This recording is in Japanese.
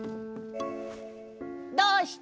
どうして？